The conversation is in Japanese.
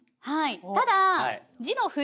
ただ。